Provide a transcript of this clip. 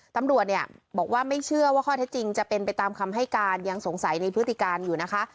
ตำรวจเนี่ยบอกว่าไม่เชื่อว่าข้อเท็จจริงจะเป็นไปตามคำให้การยังสงสัยในพฤติการอยู่นะคะ